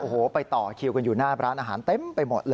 โอ้โหไปต่อคิวกันอยู่หน้าร้านอาหารเต็มไปหมดเลย